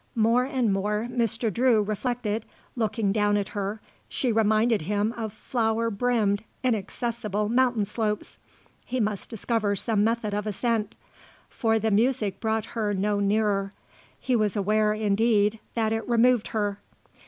More and more, Mr. Drew reflected, looking down at her, she reminded him of flower brimmed, inaccessible mountain slopes. He must discover some method of ascent; for the music brought her no nearer; he was aware, indeed, that it removed her.